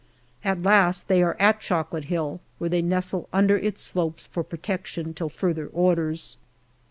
At last they are at Chocolate Hill, where they nestle under its slopes for protection till further orders.